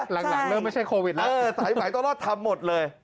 หลังเริ่มไม่ใช่โควิดแล้วสายไหมต้องรอดทำหมดเลย